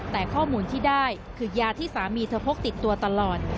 แต่ข้อมูลที่ได้คือยาที่สามีเธอพกติดตัวตลอด